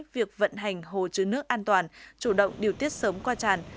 việc vận hành hồ chứa nước an toàn chủ động điều tiết sớm qua tràn